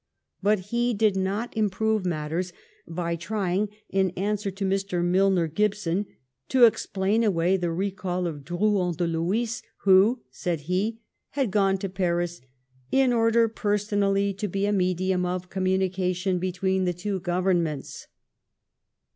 But he did not improve matters by trying, in answer ta Mr. Milner Gibson, to explain away the recall of Drouyn de Lhuys, who, said he, had] gone to Paris in order personally to be a medium of communication between the two Governments."